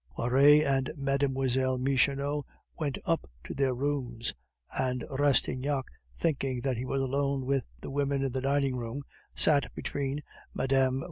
Poiret and Mlle. Michonneau went up to their rooms; and Rastignac, thinking that he was alone with the women in the dining room, sat between Mme.